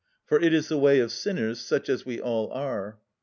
For it is the way of sinners such as we all are.